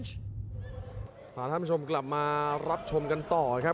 ท่านผู้ชมกลับมารับชมกันต่อครับ